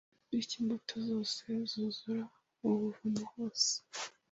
bityo imbuto zose zuzura mu buvumo hose